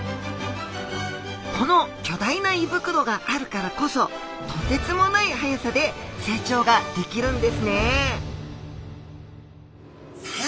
この巨大な胃袋があるからこそとてつもないはやさで成長ができるんですねさあ